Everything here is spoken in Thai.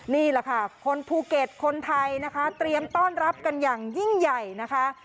นี่แหละค่ะคนภูเก็ตคนไทยนะคะเตรียมต้อนรับกันอย่างยิ่งใหญ่นะคะ